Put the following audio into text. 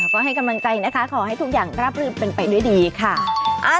ก็ให้กำลังใจนะคะขอให้ทุกอย่างราบรื่นเป็นไปด้วยดีค่ะ